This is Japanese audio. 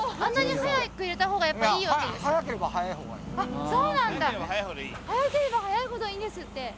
速ければ速いほどいいんですって。